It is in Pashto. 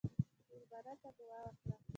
مېلمه ته دعا وکړه.